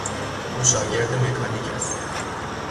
او شاگرد مکانیک است.